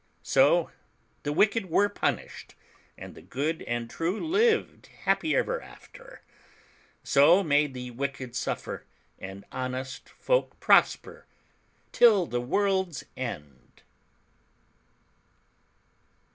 So the wicked were punished, and the good and true lived happy ever after. So may the wicked suffer, and honest folk prosper till the world's end.